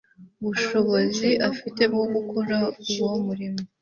bushobozi afite bwo gukora uwo murimo